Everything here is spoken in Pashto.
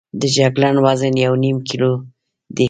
د جګر وزن یو نیم کیلو دی.